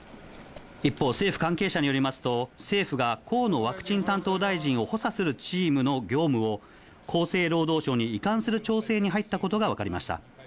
一方、政府関係者によりますと、政府が河野ワクチン担当大臣を補佐するチームの業務を厚生労働省に移管する調整に入ったことが分かりました。